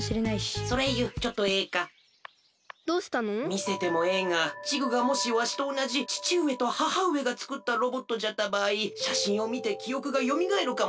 みせてもええがチグがもしわしとおなじちちうえとははうえがつくったロボットじゃったばあいしゃしんをみてきおくがよみがえるかもしれん。